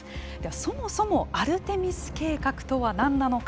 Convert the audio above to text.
そもそも、アルテミス計画とは何なのか。